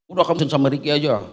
udah kamu bisa samberin riki aja